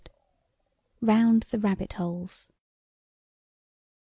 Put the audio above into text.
[STORY ROUND THE BABBIT HOLES.